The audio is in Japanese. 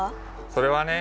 それはね